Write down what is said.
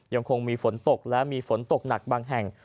ยังคงมีฝนตกและมีฝนตกหนักบางแห่ง